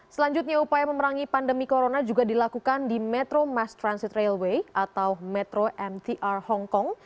selanjutnya upaya memerangi pandemi corona juga dilakukan di metro mass transit railway atau metro mtr hongkong